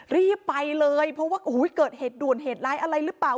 รีบไปเลยเพราะว่าเกิดเหตุด่วนเหตุร้ายอะไรหรือเปล่า